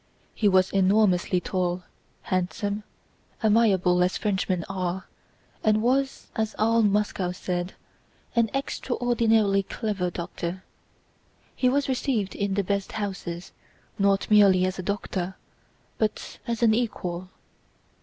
He was enormously tall, handsome, amiable as Frenchmen are, and was, as all Moscow said, an extraordinarily clever doctor. He was received in the best houses not merely as a doctor, but as an equal.